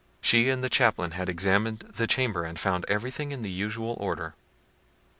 She and the chaplain had examined the chamber, and found everything in the usual order.